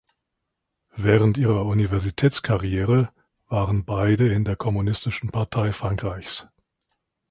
Während ihrer Universitätskarriere waren beide in der Kommunistischen Partei Frankreichs.